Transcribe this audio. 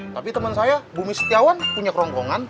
tapi teman saya bumi setiawan punya kerongkongan